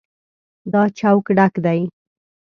دا چوک ډک دی.